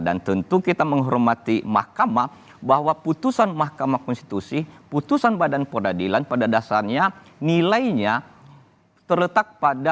dan tentu kita menghormati mahkamah bahwa putusan mahkamah konstitusi putusan badan peradilan pada dasarnya nilainya terletak pada